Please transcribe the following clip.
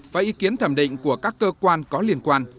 và ý kiến thẩm định của các cơ quan có liên quan